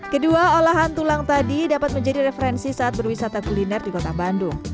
kedua olahan tulang tadi dapat menjadi referensi saat berwisata kuliner di kota bandung